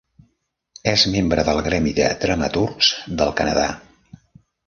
És membre del Gremi de Dramaturgs del Canadà.